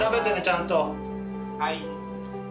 「はい」。